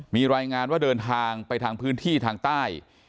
มีรายงานว่าเดินทางไปทางพื้นที่ทางใต้